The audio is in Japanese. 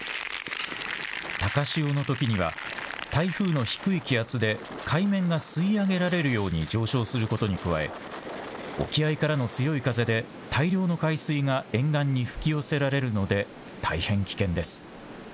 高潮のときには台風の低い気圧で海面が吸い上げられるように上昇することに加え沖合からの強い風で大量の海水が沿岸に吹き寄せられるので大変、危険です。